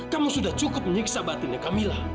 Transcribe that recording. kamu sudah cukup menyiksa batinnya kamila